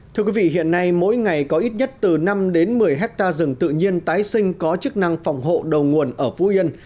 thưa quý vị hiện nay mỗi ngày có ít nhất từ năm đến một mươi hectare rừng tự nhiên tái sinh có chức năng phòng hộ đầu nguồn ở phú yên